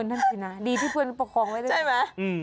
นั่นคือน่ะดีที่เพื่อนปกครองได้ด้วย